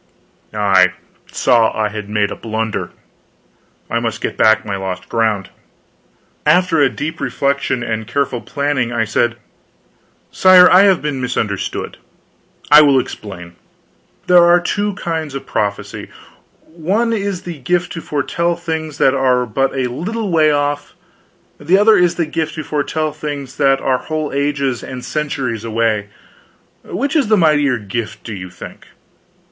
I saw I had made a blunder. I must get back my lost ground. After a deep reflection and careful planning, I said: "Sire, I have been misunderstood. I will explain. There are two kinds of prophecy. One is the gift to foretell things that are but a little way off, the other is the gift to foretell things that are whole ages and centuries away. Which is the mightier gift, do you think?"